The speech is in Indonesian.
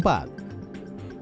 pak prabowo pemirsa dpr